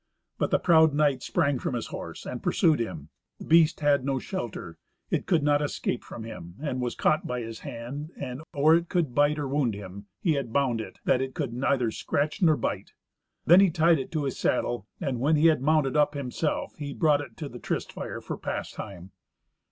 But the proud knight sprang from his horse, and pursued him. The beast had no shelter. It could not escape from him, and was caught by his hand, and, or it could wound him, he had bound it, that it could neither scratch nor bite. Then he tied it to his saddle, and, when he had mounted up himself, he brought it to the tryst fire for pastime.